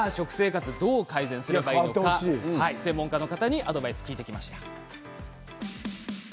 食生活をどう改善したらいいのか専門家の方にアドバイスを聞いてきました。